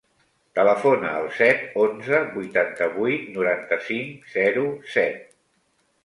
Telefona al set, onze, vuitanta-vuit, noranta-cinc, zero, set.